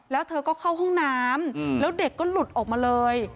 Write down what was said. แล้วเธอก็เข้าห้องน้ำแล้วเด็กก็หลุดออกมาเลย